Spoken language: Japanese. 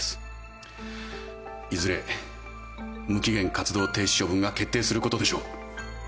いずれ無期限活動停止処分が決定することでしょう。